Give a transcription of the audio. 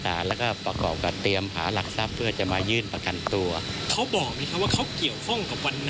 ทำหน้าที่อะไรในตัวเอง